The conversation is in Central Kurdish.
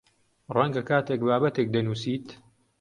ڕەنگە کاتێک بابەتێک دەنووسیت